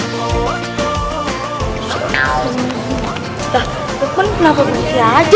luqman kenapa berhenti aja